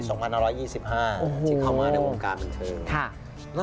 ตั้งแต่ปี๒๐๒๕ที่เข้ามาในวงการบรรเทิง